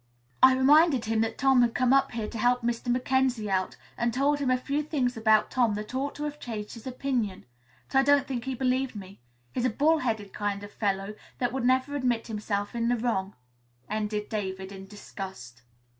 I reminded him that Tom had come up here to help Mr. Mackenzie out and told him a few things about Tom that ought to have changed his opinion. But I don't think he believed me. He's a bull headed kind of fellow that would never admit himself in the wrong," ended David in disgust.